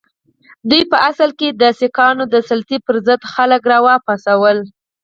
دوی په اصل کې د سیکهانو د سلطې پر ضد خلک را وپاڅول.